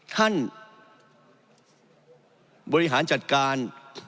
ท่านบริหารจัดการ